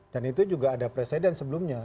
dan itu juga ada presiden sebelumnya